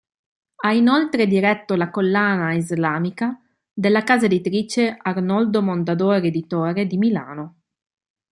Ha inoltre diretto la collana "Islamica", della casa editrice Arnoldo Mondadori Editore di Milano.